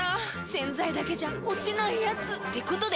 ⁉洗剤だけじゃ落ちないヤツってことで。